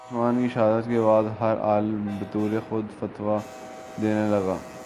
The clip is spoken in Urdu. حضرت عثمان کی شہادت کے بعد ہر عالم بطورِ خود فتویٰ دینے لگا